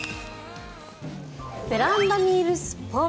ベランダにいるスッポン。